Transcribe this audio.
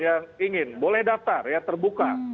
yang ingin boleh daftar ya terbuka